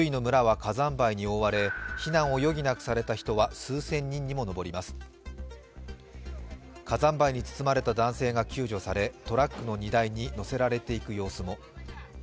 火山灰に包まれた男性が救助されトラックの荷台に乗せられていく様子も。